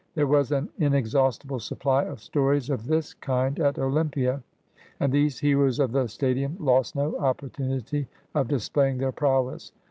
There was an inexhaustible supply of stories of this kind at Olympia, and these heroes of the stadium lost no opportunity of displaying their prowess.